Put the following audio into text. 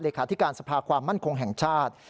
เหลคาธิการสภาความมั่นคงแห่งชาติ